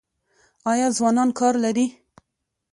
آیا ځوانان کار لري؟